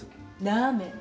ラーメン。